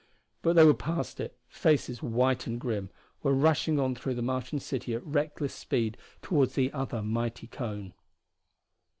But they were past it, faces white and grim, were rushing on through the Martian city at reckless speed toward the other mighty cone.